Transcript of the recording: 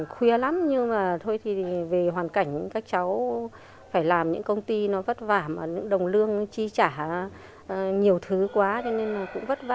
khuya lắm nhưng mà thôi thì về hoàn cảnh các cháu phải làm những công ty nó vất vả những đồng lương chi trả nhiều thứ quá cho nên nó cũng vất vả